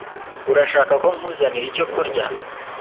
Urashaka ko nkuzanira icyo kurya?